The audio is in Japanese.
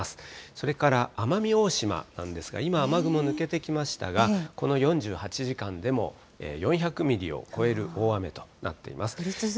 それから奄美大島なんですが、今、雨雲抜けてきましたが、この４８時間でも４００ミリを超える大雨となっています。